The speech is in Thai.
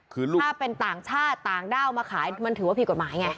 คือถ้าเป็นต่างชาติต่างด้าวมาขายมันถือว่าผิดกฎหมายไง